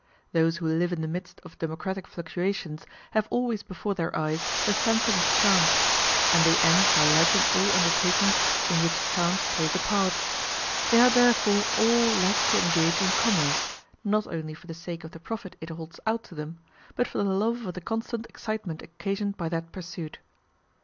Those who live in the midst of democratic fluctuations have always before their eyes the phantom of chance; and they end by liking all undertakings in which chance plays a part. They are therefore all led to engage in commerce, not only for the sake of the profit it holds out to them, but for the love of the constant excitement occasioned by that pursuit.